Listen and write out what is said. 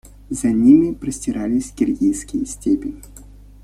За ними простирались киргизские степи.